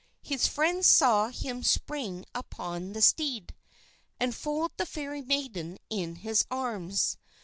His friends saw him spring upon the steed, and fold the Fairy Maiden in his arms.